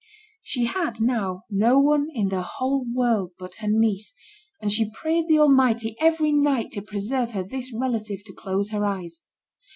She had, now, no one in the whole world but her niece, and she prayed the Almighty every night to preserve her this relative to close her eyes.